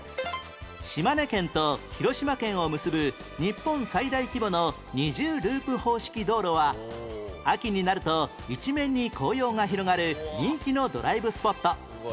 島根県と広島県を結ぶ日本最大規模の二重ループ方式道路は秋になると一面に紅葉が広がる人気のドライブスポット